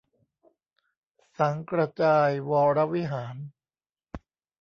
สังข์กระจายวรวิหาร